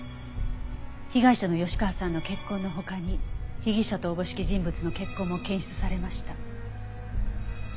被害者の吉川さんの血痕の他に被疑者とおぼしき人物の血痕も検出されました。